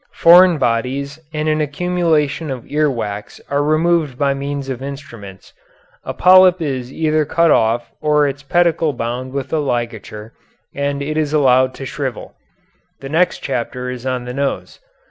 Foreign bodies and an accumulation of ear wax are removed by means of instruments. A polyp is either cut off or its pedicle bound with a ligature, and it is allowed to shrivel. The next chapter is on the nose.